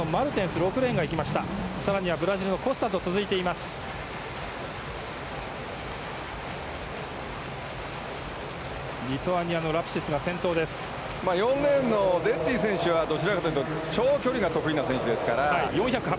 ４レーンのデッティ選手はどちらかというと長距離が得意な選手ですから。